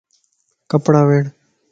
ڪپڙا ويڙھ